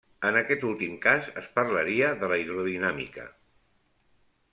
En aquest últim cas, es parlaria de la hidrodinàmica.